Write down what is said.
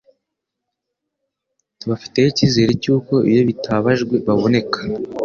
Tubafiteho icyizere cy'uko iyo bitabajwe baboneka